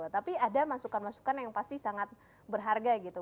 tapi ada masukan masukan yang pasti sangat berharga gitu